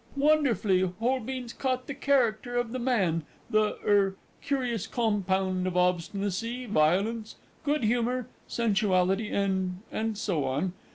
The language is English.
Wonderfully Holbein's caught the character of the man the er curious compound of obstinacy, violence, good humour, sensuality, and and so on.